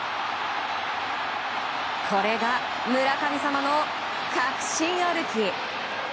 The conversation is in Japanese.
これが村神様の確信歩き。